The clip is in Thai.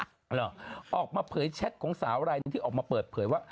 เหรอออกมาเผยแชทของสาวรายหนึ่งที่ออกมาเปิดเผยว่า